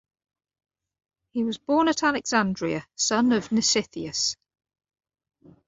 He was born at Alexandria, son of Mnesitheus.